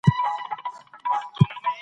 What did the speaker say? اوس به خپل زړښت په راحت تېروي.